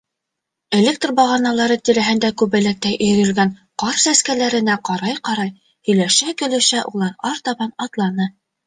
Электр бағаналары тирәһендә күбәләктәй өйөрөлгән ҡар сәскәләренә ҡарай-ҡарай, һөйләшә-көлөшә улар артабан атланы.